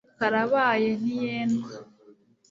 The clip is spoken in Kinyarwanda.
karabaye ntiyendwa